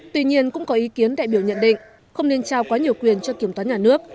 tuy nhiên cũng có ý kiến đại biểu nhận định không nên trao quá nhiều quyền cho kiểm toán nhà nước